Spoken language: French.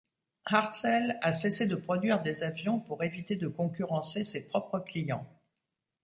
Hartzell a cessé de produire des avions pour éviter de concurrencer ses propres clients.